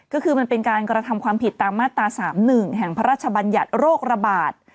ก็คือมันเป็นการกระทำความผิดตามมาตรา๓๑แห่งพระราชบัญญัติโรคระบาด